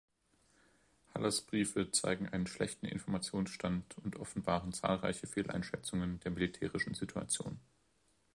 Hallers Briefe zeigen einen schlechten Informationsstand und offenbaren zahlreiche Fehleinschätzungen der militärischen Situation.